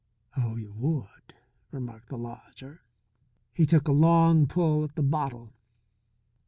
"Oh, you would!" remarked the lodger. He took a long pull at the bottle.